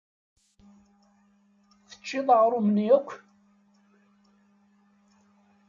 Teččiḍ aɣrum-nni akk?